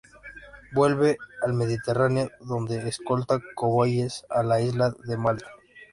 Vuelve al Mediterráneo donde escolta convoyes a la isla de Malta.